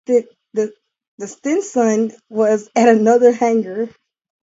The Stinson was at another hangar.